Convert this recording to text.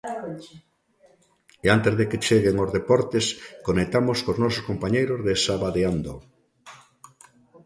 E antes de que cheguen os Deportes, conectamos cos nosos compañeiros de Sabadeando.